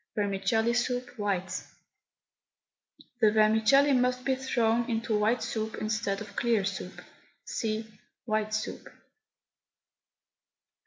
VERMICELLI SOUP, WHITE. The vermicelli must be thrown into white soup instead of clear soup. (See WHITE SOUP.)